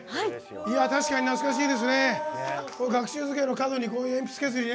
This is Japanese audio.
確かに懐かしいですね。